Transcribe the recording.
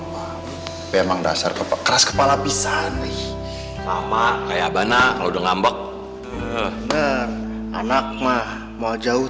memang dasar kepercaya kepala pisah nih mama kayak abang nak udah ngambek anak mah mau jauh